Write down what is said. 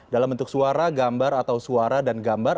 dalam bentuk suara gambar atau suara dan gambar